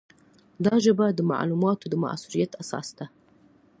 دا ژبه د معلوماتو د موثریت اساس ده.